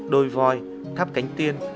đôi voi tháp cánh tiên